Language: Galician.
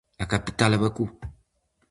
A capital é Bakú.